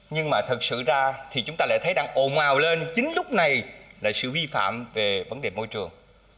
nhưng mà thật sự ra thì chúng ta lại thấy đang ồn ào lên chính lúc này là sự vi phạm về vấn đề môi trường